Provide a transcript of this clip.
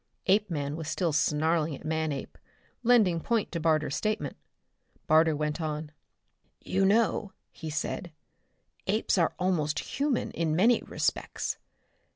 Apeman was still snarling at Manape, lending point to Barter's statement. Barter went on. "You know," he said, "apes are almost human in many respects.